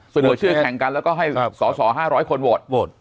เสนอชื่อแข่งกันแล้วก็ให้สอสอ๕๐๐คนโหวตโหวต